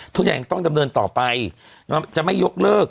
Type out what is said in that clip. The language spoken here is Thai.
ทุกอย่างต้องดำเนินต่อไปจะไม่ยกเลิก